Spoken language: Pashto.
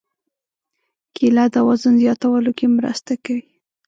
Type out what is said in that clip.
کېله د وزن زیاتولو کې مرسته کوي.